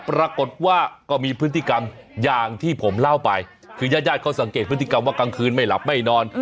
ปรากฏว่าก็มีพฤติกรรมอย่างที่ผมเล่าไปคือญาติญาติเขาสังเกตพฤติกรรมว่ากลางคืนไม่หลับไม่นอน